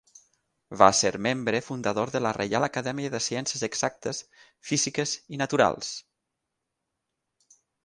Va ser membre fundador de la Reial Acadèmia de Ciències Exactes, Físiques i Naturals.